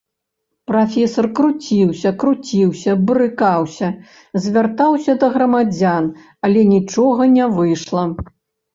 Прафесар круціўся, круціўся, брыкаўся, звяртаўся да грамадзян, але нічога не выйшла.